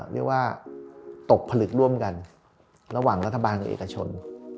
เรียกว่าตกผลึกร่วมกันระหว่างรัฐบาลกับเอกชน